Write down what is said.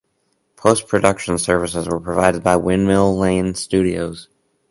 Postproduction services were provided by Windmill Lane Studios.